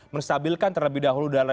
menstabilkan terlebih dahulu